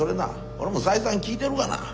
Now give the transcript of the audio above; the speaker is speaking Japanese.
俺も再三聞いてるがな。